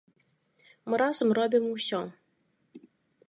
Мы разам робім усё!